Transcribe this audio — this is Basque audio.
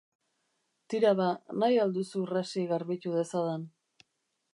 Tira ba, nahi al duzu Rassi garbitu dezadan?